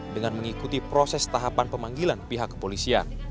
dengan mengikuti proses tahapan pemanggilan pihak kepolisian